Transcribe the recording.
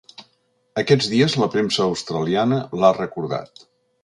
Aquests dies la premsa australiana l’ha recordat.